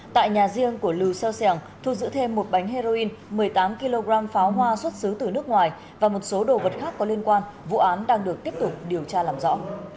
tại nhà riêng của lưu xeo xẻng thu giữ thêm một bánh heroin một mươi tám kg pháo hoa xuất xứ từ nước ngoài và một số đồ vật khác có liên quan vụ án đang được tiếp tục điều tra làm rõ